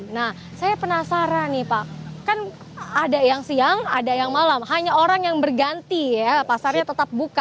nah saya penasaran nih pak kan ada yang siang ada yang malam hanya orang yang berganti ya pasarnya tetap buka